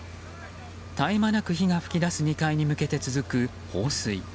絶え間なく火が噴き出す２階に向けて続く放水。